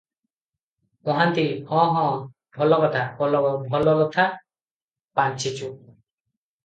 ମହାନ୍ତି-ହଁ -ହଁ, ଭଲ କଥା, ଭଲ ଲଥା ପାଞ୍ଚିଛୁ ।